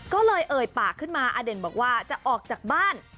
ก็เลยเอ่ยปากขึ้นมาอเด่นบอกว่าจะออกจากบ้าน